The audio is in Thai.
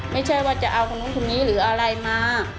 ไม่ใช่ว่าจะเอาคนนู้นคนนี้หรืออะไรมา